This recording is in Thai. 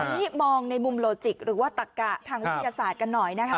ทีนี้มองในมุมโลจิกหรือว่าตักกะทางวิทยาศาสตร์กันหน่อยนะคะ